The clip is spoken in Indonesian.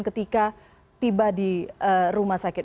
ketika tiba di rumah sakit